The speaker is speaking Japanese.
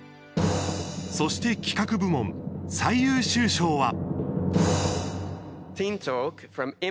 そして企画部門、最優秀賞は。